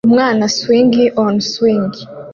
umwana swing on swing